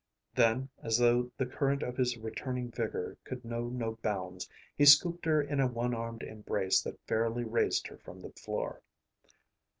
Then, as though the current of his returning vigor could know no bounds, he scooped her in a one armed embrace that fairly raised her from the floor.